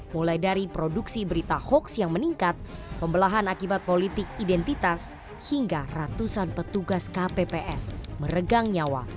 mulai dari produksi berita hoax yang meningkat pembelahan akibat politik identitas hingga ratusan petugas kpps meregang nyawa